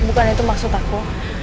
bukan itu maksud aku